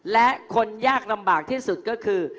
และคนยากลำบากที่สุดก็คือ